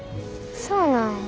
そうなんや。